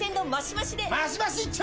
マシマシ一丁！